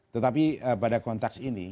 tetapi pada konteks ini